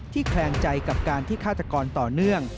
แคลงใจกับการที่ฆาตกรต่อเนื่อง